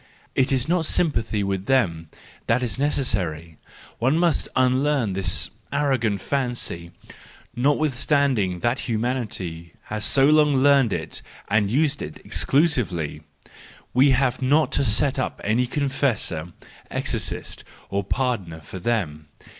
It is not sympathy with them that is necessary!—we must unlearn this arrogant fancy, notwithstanding that humanity has so long learned it and used it exclusively—we have not to set up any confessor, exorcist, or pardoner for them!